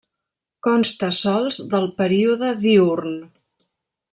Consta sols del període diürn.